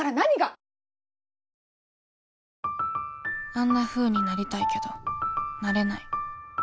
あんなふうになりたいけどなれない